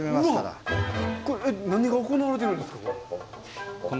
これ何が行われてるんですか？